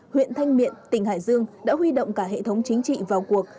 huyện thanh miện tỉnh hải dương đã huy động cả hệ thống chính trị vào cuộc